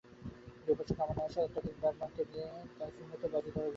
দুপয়সা কামানোর আশায় আধুনিক ব্র্যাডম্যানকে নিয়েও তাই শূন্য-তে বাজি ধরা লোক বেশি।